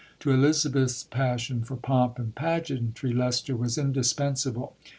To Elizabeth's passion for pomp and pageantry Leicester was indispensable.